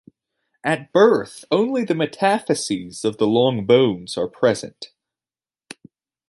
At birth, only the metaphyses of the "long bones" are present.